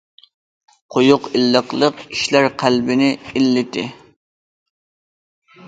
قويۇق ئىللىقلىق كىشىلەر قەلبىنى ئىللىتى.